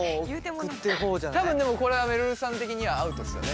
多分でもこれはめるるさん的にはアウトですよね？